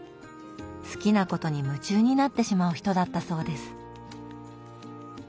好きなことに夢中になってしまう人だったそうです。